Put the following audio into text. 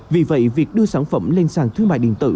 vì vậy việc đưa sản phẩm lên sàn thương mại điện tử